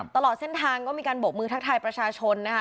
ตลอดเส้นทางก็มีการบกมือทักทายประชาชนนะคะ